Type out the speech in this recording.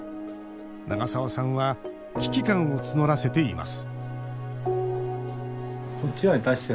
長澤さんは危機感を募らせています